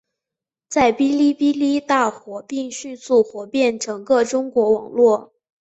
在哔哩哔哩大火并迅速火遍整个中国网络。